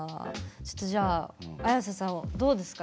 ちょっとじゃあＡｙａｓｅさんはどうですか？